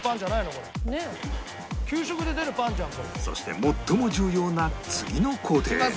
そして最も重要な次の工程